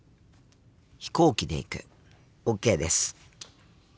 飛行機で行く。ＯＫです。